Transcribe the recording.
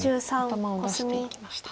頭を出していきました。